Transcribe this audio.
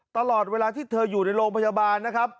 ตลอดเวลาที่เธออยู่ในโรงพยาบาลนะครับ